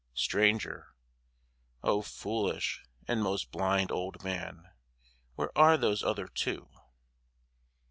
STRANGER O foolish and most blind old man, Where are those other two?